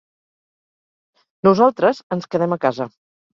Nosaltres ens quedem a casa.